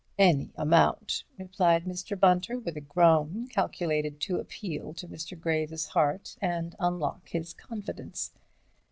"Any amount," replied Mr. Bunter, with a groan calculated to appeal to Mr. Graves's heart and unlock his confidence.